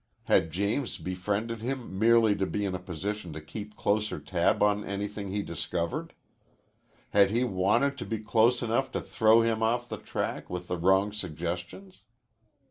Had James befriended him merely to be in a position to keep closer tab on anything he discovered? Had he wanted to be close enough to throw him off the track with the wrong suggestions?